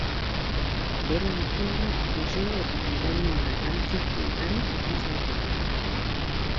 Bere artelanak museo eta konpainia garrantzitsuetan ikus daiteke.